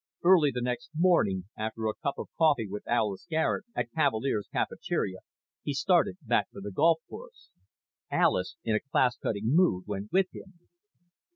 Early the next morning, after a cup of coffee with Alis Garet at Cavalier's cafeteria, he started back for the golf course. Alis, in a class cutting mood, went with him.